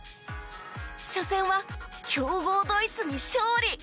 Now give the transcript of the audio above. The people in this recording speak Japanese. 初戦は強豪ドイツに勝利！